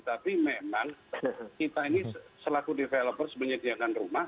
tapi memang kita ini selaku developer menyediakan rumah